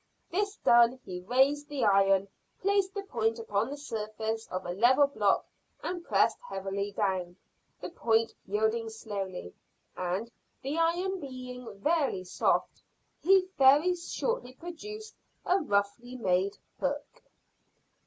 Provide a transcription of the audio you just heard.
This done, he raised the iron, placed the point upon the surface of a level block, and pressed heavily down, the point yielding slowly, and, the iron being fairly soft, he very shortly produced a roughly made hook.